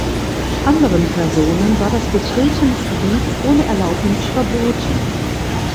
Anderen Personen war das Betreten des Gebiets ohne Erlaubnis verboten.